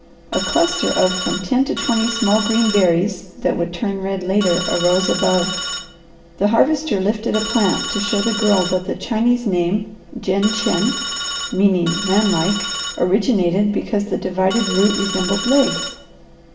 A cluster of from ten to twenty small green berries, that would turn red later, arose above. The Harvester lifted a plant to show the Girl that the Chinese name, Jin chen, meaning man like, originated because the divided root resembled legs.